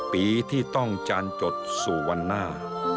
ปีที่ต้องจานจดสู่วันหน้า